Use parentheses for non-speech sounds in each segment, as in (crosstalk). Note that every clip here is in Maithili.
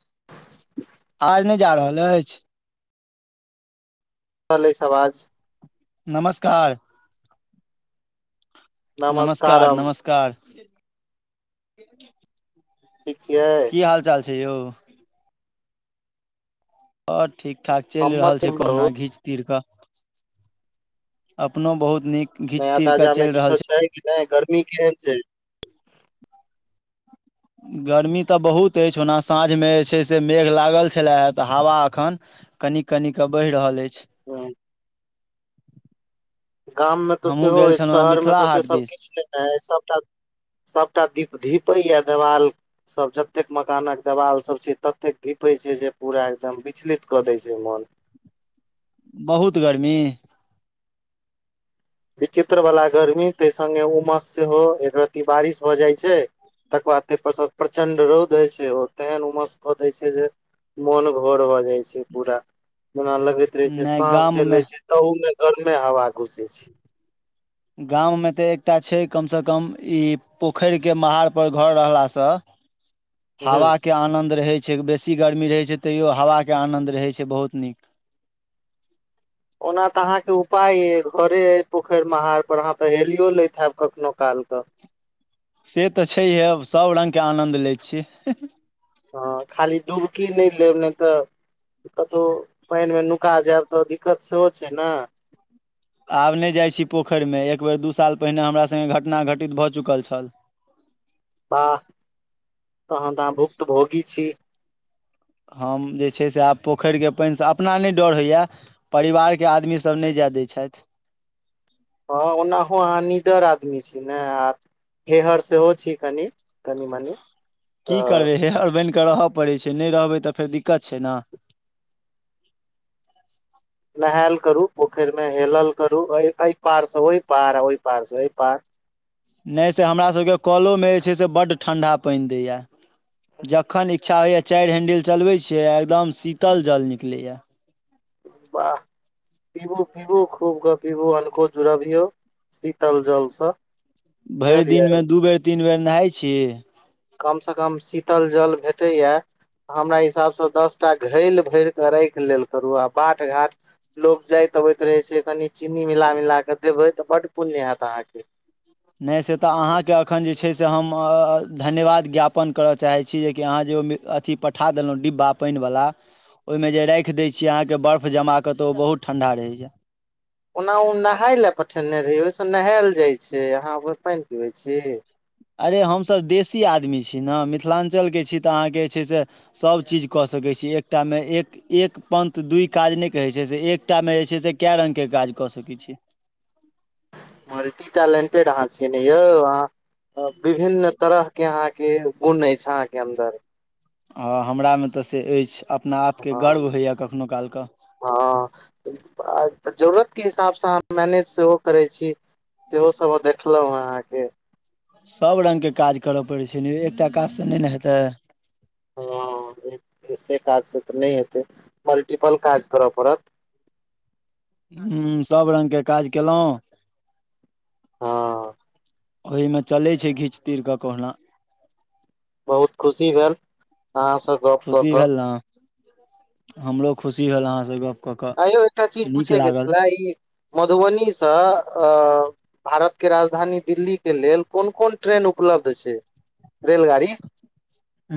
(unintelligible) आज नहि जा रहल अछि। रहलल अछि आवाज नमस्कार। नमस्कार नमस्कारम नमस्कार। (unintelligible) ठीक छियै। की हाल चाल छै यौ। आओर। ठीक ठाक चलि हमर रहल त छै बहु कहुना घीच तीर के। अपनो बहुत नीक घीच नया तीर कऽ ताजा मे चलि रहल किछो छै नहि गरमी केहन छै। गर्मी तऽ बहुत अछि ओना साँझ मे जे छै से मेघ लागल छले हे तऽ हवा अखन कनि कनि क बह रहल अछि। ह्म गाममे तऽ हमहूँ सेहो गेल अछि छलहुँ हेँ शहरमे मिथिला तऽ हाट सेसभ दिस किछु लेने अइ सभटा सभटा दीप धीपैए देवाल सभ जतेक मकानक देवाल सभ छै ततेक घीपै छै जे पूरा एकदम विचलित कऽ दै छै मन। बहुत गर्मी। विचित्रवला गर्मी ताहि सङ्गे उमस सेहो एक रत्ती बारिश भऽ जाइ छै, तकर बाद तेहि प्र प्रचण्ड रौद होइ छै, ओ तेहन उमस कऽ दै छै जे, मोन घर भऽ जाइ छै पूरा। जेना लगैत रहे छै नहि साँस जे गाममे ले छै ताहू मे गरमे हवा घुसे छै गाममे तऽ एकटा छै कम से कम ई पोखरिके महारपर घर रहलासँ ह हवा के आनंन्द रहै बेसी गरमी रहै छै त्यों हावा के आनंद ले छै बहुत नीक। ओना तऽ अहाँके उपाय अइ घरे अइ पोखरि महारपर अहाँ तऽ हेलिओ लैत हयब कखनहु कालके। से तऽ छैहे सभ रङ्गके आनन्द लैत छीिय। हँ खाली दू की नहि लेब नहि तऽ कतहु पाइन मे नुका जायब तऽ दिक्कत सेहो छै ने। आब नहि जाइ छी पोखरिमे एक बेेर दू साल पहिने हमरा सङ्गे घटना घटित भऽ चुकल छल। वाह तहन तऽ अहाँ भुक्तभोगी छी। हम जे छै से आब पोखरिके पानिसँ अपना नहि डर होइए परिवारके आदमीसभ नहि जाए दै छथि। हँ ओनाहो अनिदर आदमी छी। नहि आ हेहर सेहो छी कनि कनि मनी। की करबै तऽ हे अरबने रहब। र (unintelligible) (inaudible) नहायल करू पोखरि मे हेलल करू एहि पार से ओहि पार ओहि पार से ओ पार। नहि से हमरासभके कलोमे जे छै से बड्ड ठण्डा पानि दैए। जखन इच्छा होइए। चारि हेंडल चलबे छियै एकदम शीतल जल निकले या। वाह पिबू पिबू खूबके पिबू हलको जुड़बियौ शीतल जलसँ। भरि बुझलियै दिन मे दू बेर तीन बेर हइ छीिय (unintelligible) कमसँ कम शीतल जल भेटैए हमरा हिसाबसँ दस टा घैल भरि कऽ राखि लेल करू आ बाट घाट लोक जाइत अबैत रहै छै कनि चीनी मिला मिला कऽ देबै तऽ बड्ड पुण्य हैत अहाँके। नहि से तऽ अहाँके एखन जे छै से हम धन्यवाद ज्ञापन करय चाहै छी जेकि अहाँ जे ओ अथिी पठा देलहुँ डिब्बा पानिवला ओहिमे जे राखि दै छीियै अहाँके बर्फ जमा कऽ तऽ ओ बहुत ठण्ढा रहैए। ओना ओ नहााय लए पठेने रहिै ओहिसँ नहायल जाइत छै अहाँ ओहि पानि पीबैत छी। अरे हमसभ देशी आदमी छी ने मिथिलाञ्चलके छी तऽ अहाँके जे छै से सभचीज कऽ सकै छी एकटामे एक एक पन्थ दूइ काज नहि कहै छै से एक टामे जे छै से कए रङ्गके काज कऽ सकै छी। पेड़ अहाँ छिय ने यौ अह विभिन्न तरह के अहाँ के बुन अछि अहा के अन्दर। आ हमरामे तऽ से अछि। अपना आपके गर्व हँ होइए कखनो कालके हँ (unintelligible) जरूरतके हिसाबसँ अहाँ मैनेज सेहो करै छी, सेहोसभ देखलहुँँ अहाँके। सभ रङ्गके काज करय पड़ै छै, ने एकटा काजसँ नहि ने हेतै। हँ ऐसे काजसँ तऽ नहि हेतै, मल्टीपल काज करय पड़त। ह्म सभ रङ्गके काज कयलहुँ। हँ ओहिमे चलै छै घीच तीर कऽ कहुना। बहुत खुशी भेल। अहाँ से गप कऽ खुशी कऽ। भेल ने हमरो खुशी भेलल, अहाँस गप कऽ कऽ आ यौ एकटा चीज नीक पूछैके लागल छलए? ई मधुबनीसँ अ भारत के राजधानी दिल्लीे लेल, कोन- कोन ट्रेन उपलब्ध छै, रेलगाड़ी।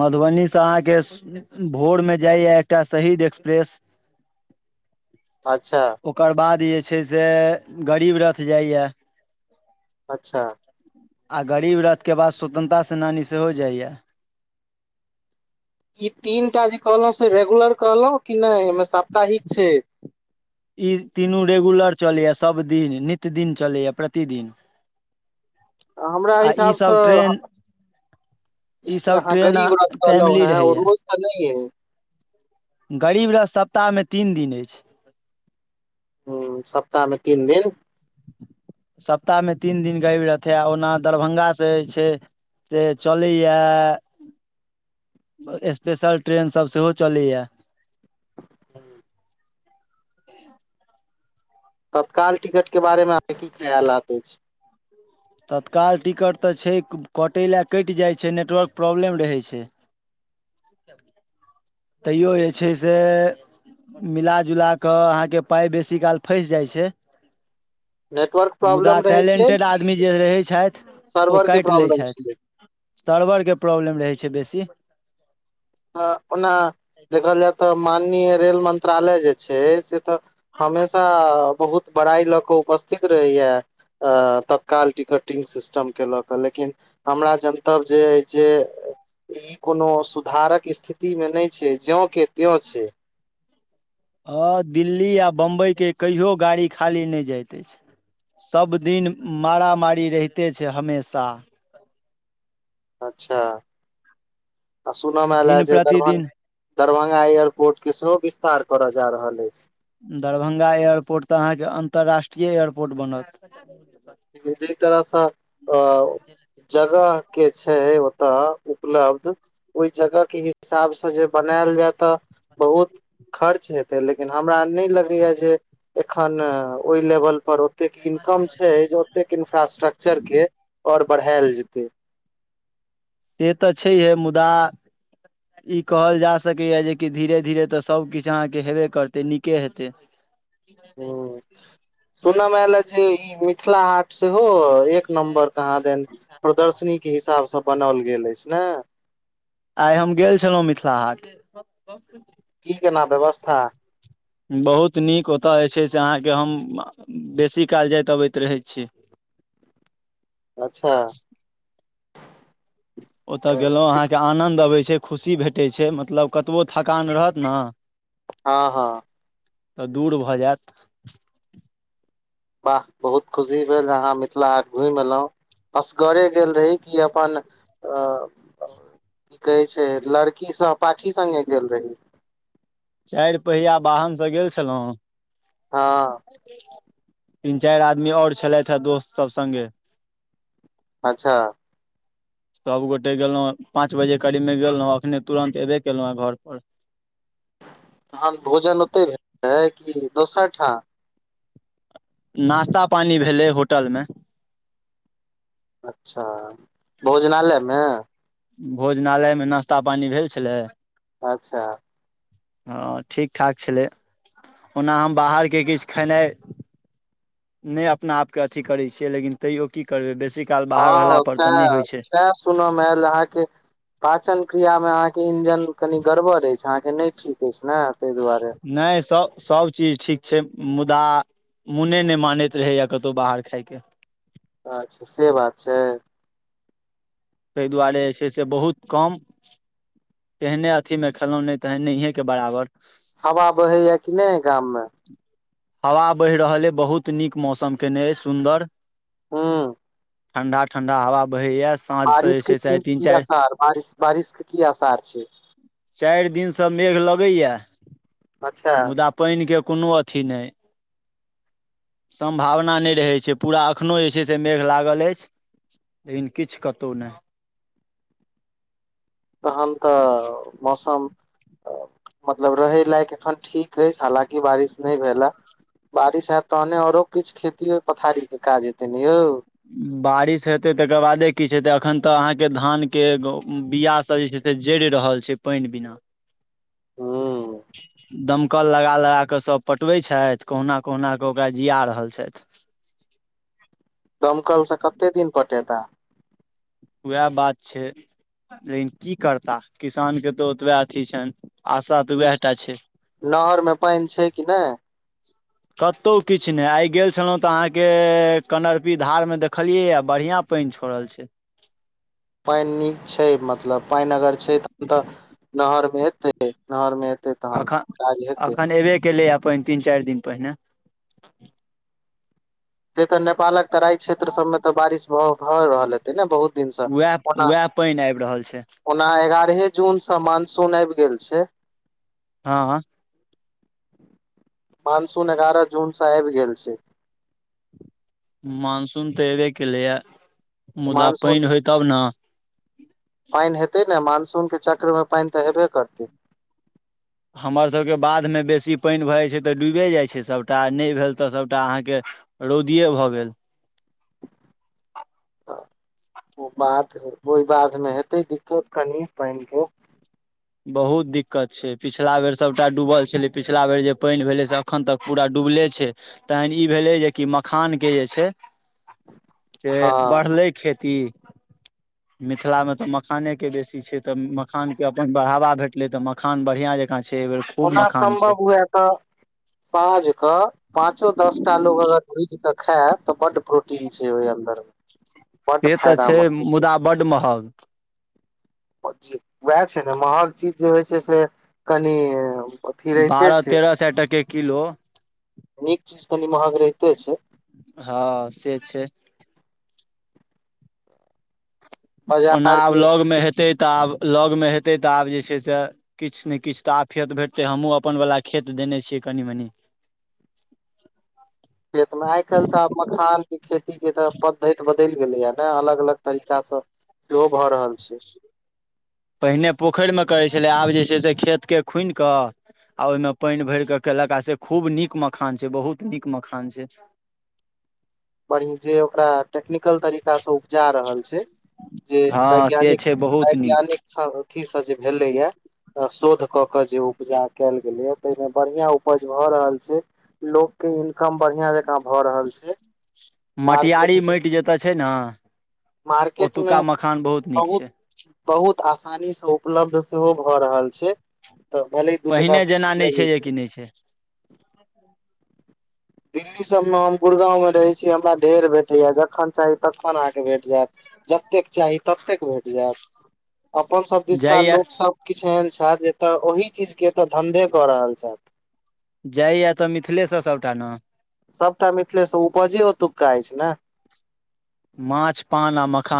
मधुबनीसँ अहाँके भोरमे जाइए, एकटा शहीद एक्सप्रेस। अच्छा ओकर बाद जे छै से, गरीब रथ जाइय। अच्छा आ गरीब रथ के बाद, स्वतन्त्रता सेनानी सेहो जाइया। ई तीन टा जे कहलहुँ से, रेगुलर कहलहुँ कि नहि, एहिमे साप्ताहिक छै। ई तीनू रेगुलर चलैए, सभदिन नितदिन चलैए प्रतिदिन। हमरा आ हिसाबसँ ईसभ ट्रेन ई जे सब अहाँ ट्रेन गरीब रथ कहलहु टाइमली हेँ, ओ रहैया रोज तऽ नहि य? गरीब रथ, सप्ताहमे तीन दिन अछि। ह सप्ताहमे तीन दिन। सप्ताहमे तीन दिन गरीब रथ, आ ओना दरभंगा से जे छै, से चलैए स्पेशल ट्रेनसभ सेहो चलैए। ह्म। हम्म (unintelligible) तत्काल टिकटके बारेमे, अहाँ के खयालात अछि। तत्काल टिकट तऽ छै, कटय लए कटि जाइ छै, नेटवर्क प्रॉब्लम रहै छै। तैओ जे छै, से मिलाजुला कऽ अहाँके, पाइ बेसी काल फइस जाइ छै। नेटवर्क मुदा प्रॉब्लम रहै छै टैलेंटेड आदमी जे रहै छथि, ओ सर्वर के काटि लै प्रॉब्लम छथि, छै सड़वरके प्रॉब्लम रहै छै, बेसी त। हाँ। ओना देखल जा तऽ। माननीय रेल मंत्रालय जे छै, से तऽ, हमेशा बहुत बड़ाइ लऽ कऽ उपस्थित रहैया, तत्काल टिकटिंग सिस्टमके लऽ कऽ, लेकिन हमरा जनतब जे अछि जे ई कोनो सुधारक स्थिति मे नहि छै, ज्यों के त्यों छै। हँ दिल्ली आ बम्बइके कहियो गाड़ी खाली नहि जाइत अछि, सभदिन मारामारी रहिते छै, हमेशा अच्छा? आ सुनमेएल है दिन जे दरभंग प्रतिदिन दरभंगा एयरपोर्ट के, सेहो विस्तार करऽ जा रहल अछि। दरभंगा एयरपोर्ट तऽ, अहाँके अन्तर्राष्ट्रीय एयरपोर्ट बनत। जैय तरह से अ जगह के छै ओतय उपलब्ध, ओहि जगहके हिसाबसँ जे बनायल जाय त। बहुत खर्च छी हेतै लेकिन हमरा नहि लगैये जे एखन ओहि लेवल पर त इनकम छै? ओतेक इन्फ्रास्ट्रक्चर के और बढ़ायल जेतै। से त छैहे मुदा, ई कहल जा सकैए जे कि धीरे धीरे त सब किछु अहाँके हेबे करतै, नीके हेतै। हुं। सुनवामे एयले जे ई मिथिला हाट सेहो एक नम्बर कहाँ दन प्रदर्शनी के हिसाब से बनाओल गेल अछि। ने आइ हम गेल छलहुँ मिथिला हाट की केना व्यवस्था? बहुत नीक, ओतय जे छै से अहाँके हम बेसी काल जाइत अबैत रहै छी। अच्छा। ओतए गेलों तऽ अहाँ के आनंद अबै छै खुशी भेटै छै, मतलब कतबो थकान रहत ने। हां हां। त दूर भ जायत। वाह बहुत खुशी भेल जे अहाँ मिथिला हाट घुमि अयलहुँ, असगरे गेल रही कि अपन की कहै छै लड़की सहपाठी संगे गेल रही। चारि पहिया वाहन से गेल छलहुँ। हँ (unintelligible) तीन चारि आदमी और छलथि हेँ दोस्तसब संगे। अच्छा। सभ गोटे गेलहुँ पाँच बजे करीबमे गेलहुँ, एखने तुरन्त अयबे कयलहुँ हेँ घर पर। तखन भोजन ओतै भेल रहै कि दोसर ठाम? नाश्ता पानी भेलै होटलमे। अच्छा, भोजनालयमे? भोजनालयमे नाश्ता पानि भेल छलै। अच्छा। हां ठीक ठाक छलै, ओना हम बाहरके किछु खेनाइ नहि अपना आपके अथि करैत छियै लेकिन तइयो की करबै बेसी काल बाहर रहला हां पर तऽ सएह, नहि होइ छै सएह सुनय मे आयल अहाँके पाचन क्रिया मे अहाँ के इंजन कनि गड़बड़ अछि। अहाँके नै ठीक अछि ने ताहि दुआरे। नहि सब सब चीज ठीक छै, मुदा मोने नहि मानैत रहैए कतहु बाहर खायके। अच्छा से बात छै। तै दुआरे जे छै से बहुत कम। तेहने अथिमे खेलहुँ नहि तेहने नै त नहिए के बराबर। हवा बहैए कि नहि गाममे? हवा बहि रहल अइ बहुत नीक मौसम केने अइ सुन्दर। ठंढा-ठंढा हवा। बहैया साँझ से जे बारिशके छै से आइ की तीन की चारि आशार बारिश बारिशके की आशार छै। (unintelligible) दिनसँ मेघ लगैया। (unintelligible) अच्छा मुदा पानि के। (unintelligible) कोनो अथि नै। सम्भावना नै रहैत छै पूरा, एखनहु जे छै से मेघ लागल अछि लेकिन किछु कतहु नहि। तहन। तऽ मौसम। (unintelligible) तऽ मतलब रहै लायक एखन ठीक अछि हालकि बारिश नहि भेले बारिश हयत तहने औरो किछु खेती पथारी के काज हेतै ने यौ। (unintelligible) बारिश हेतै तकर बादे किछु हेतै एखन तऽ अहाँके धानके गहु बीआाससभ जे छै से जरि रहल छै पानि बिना। (unintelligible) हँ। (unintelligible) दमकल लगा-लगा कऽ सभ पटबै छथि कहुना-कहुना कऽ ओकरा जिया रहल छथि। (unintelligible) दमकल से कते दिन प। (unintelligible) खेता। (inaudible) उएह बात छै लेकिन की करता किसान के तऽ ओतबे अथी छनि। (unintelligible) आशा तऽ उएह टा छै। (unintelligible) पायन छै कि न कतहु किछु नहि आइ गेल छलहुँ तऽ अहाँके कनरपी धारमे देखलियैए बढ़िआँ पायन छोड़ल छै पायन नीक छै मतलब पायन अगर छै तखन तऽ नहरमेतै नहरमे अखन अखन एबे केलै आब प तीन चार दिन पहिने से तऽ नेपालक तराई क्षेत्र सबमे तऽ बारिश ब भऽ रहल हेतै ने बहुत इन उएह सब ओना उएह पानि आबि रहल छै ओना एगारहे। जून से मानसून आब गेल छय। हँ मॉानसून एगारह जूनसँ आबि गेल छै। मानसून तऽ अयबे केलैए मुदा पानि मानसून होय तब न। पानि हेतै ने मानसून के चक्र मे पानि त हेबे करतै। हमर सभके बाधमे बेसी पानि भऽ जाइ छै तऽ डूबि जाइ छै सभटा नहि भेल तऽ सभटा अहाँके रौदिए भऽ गेल। ओ बात ओहि बातमे हेतै दिक्कत कनि पानिके बहुत दिक्कत छै। पिछिला बेर सभटा डूबल छलै पिछिला बेर जे पानि भेलै से एखन तक पूरा डूबले छै। तखन ई भेलै जेकि मखानके जे छै से हँ बढ़ले खेत, तीन, मिथिलामे तऽ मखानेके बेसी छै तऽ मखानके अपन बढ़ावा भेटलै तऽ मखान बढ़िआँ जँकाँ छै। एहि बेर खूब ओना मखान छै सम्भव हुए तऽ साँझ के पाँचो दस टा लोग अगर भुज कऽ खैब तऽ बड्ड प्रोटीन छै ओहि अन्दर। बड्ड से त छै फायदामन्द मुदा बड महग। उएह छै ने महग चीज जे होइ छै से कनि अथी रहिते बारह छै तेरह सए टके किलो। नीक चीज कनि महग रहिते छै हाँ से छै। ओना बाजार आब के लग मे हेतै तऽ आब लगमे हेतै त आब जे छै से किछु ने किछु त आफियत भेटतै हमहुँ अपन वला खेत देने छियै कनि मनि। लेकिन आइ कालि त आब मखान खेती के त पद्धति ब बदलि गेलैये ने अलग अलग तरीका से सेहो भ रहल से पहिने पोखरिमे करै छलै, आब जे छै से खेतके खुनि क आ ओहिमे पानि भरि क केलक आ से खूब नीक मखान छै बहुत नीक मखान छै। कनि जे ओकरा टेक्निकल तरीकासे उपजा रहल छै, जे हँ से वैज्ञानिक छै बहुत नीक वैज्ञानिक अथिसँ जे भेलैए, शोध क के जे उपजा कयल गेलैए ताहिमे बढ़िया उपज भ रहल छै। लोकके इनकम बढ़िया जकां भ रहल छै। मटियरी मार्केट माटि जतय छै न अंह। मार्केट मे बहुत, छै बहुत आसानी से उपलब्ध सेहो भ रहल छै। तऽ भले दू टका पहिने जेना बेसी नहि छै, लगै जे कि नै छै। दिल्ली सबमे हम गुड़गांव मे रहै छी, हमरा ढेर भेटैये, जखन चाही तखन अहांके भेट जायत, जतेक चाही ततेक भेट जायत। अपन सब दिसका जाइया लोक सब किछ एहेन छथि जे एत ओहि चीज के त धंधे क रहल छथि। जाइये त मिथिले से सबटा न? सबटा मिथिले से उपजे ओतुका अछि ने। माछ पान आ मखान